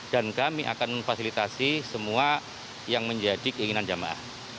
kami akan memfasilitasi semua yang menjadi keinginan jamaah